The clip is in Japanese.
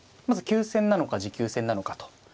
まず急戦なのか持久戦なのかと。